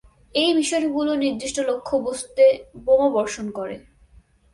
এই মিশনগুলো নির্দিষ্ট লক্ষ্যবস্তুে বোমাবর্ষণ করে।